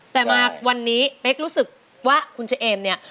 แต่มาวันนี้เป๊กรู้สึกว่าคุณเจเอมเนี่ย